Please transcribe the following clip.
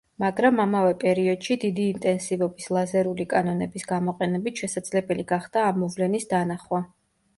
მაგრამ ამავე პერიოდში დიდი ინტენსივობის ლაზერული კანონების გამოყენებით შესაძლებელი გახდა ამ მოვლენის დანახვა.